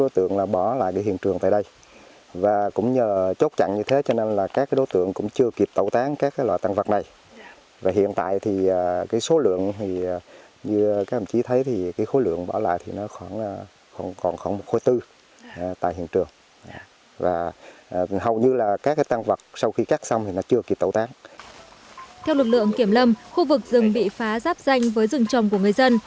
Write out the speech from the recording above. theo lực lượng kiểm lâm khu vực rừng bị phá giáp danh với rừng trồng của người dân